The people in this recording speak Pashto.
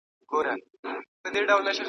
کمپيوټر موسم ښيي.